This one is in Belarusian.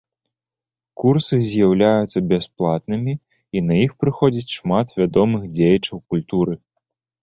Курсы з'яўляюцца бясплатнымі і на іх прыходзіць шмат вядомых дзеячаў культуры.